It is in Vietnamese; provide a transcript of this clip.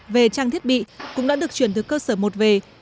về trang thiết bị cũng đã được chuyển từ cơ sở một về